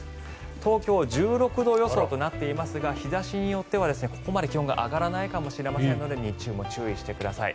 東京は１６度予想となっていますが日差しによってはここまで気温が上がらないかもしれませんので日中も注意してください。